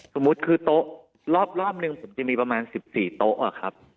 สมมุติคือโต๊ะรอบหนึ่งผมจะมีประมาณ๑๔โต๊ะครับ